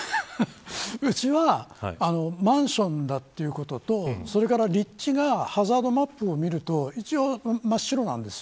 うちはマンションだということとそれから、立地がハザードマップを見ると一応、真っ白なんです。